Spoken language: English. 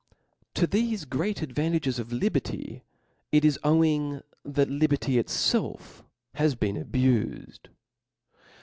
'TpO thefe great advantages of liberty it is ov ^ ing that liberty itfelf has been abufed.